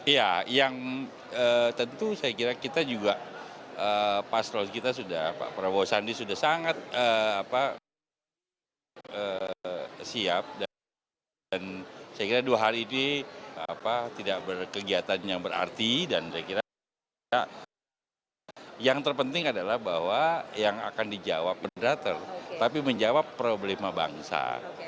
ya yang tentu saya kira kita juga pasrol kita sudah pak prabowo sandi sudah sangat siap dan saya kira dua hari ini tidak berkegiatan yang berarti dan saya kira yang terpenting adalah bahwa yang akan dijawab pendata tapi menjawab problema bangsa